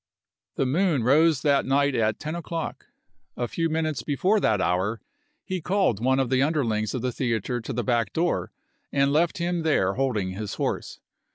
The moon rose that night at ten o'clock. A few minutes before that hour he called one of the underlings of the theater to the back door and left him there holding his horse.